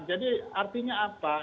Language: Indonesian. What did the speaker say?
jadi artinya apa